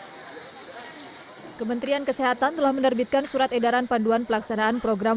hai kementerian kesehatan telah menerbitkan surat edaran panduan pelaksanaan program